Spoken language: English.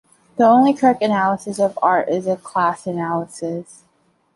The only correct analysis of art is a ‘class analysis’.